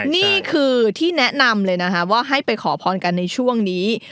นี่คือที่แนะนำเลยนะคะว่าให้ไปขอพรกันในช่วงนี้